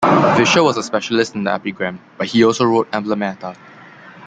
Visscher was a specialist in the epigram, but he also wrote emblemata.